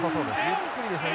ゆっくりですね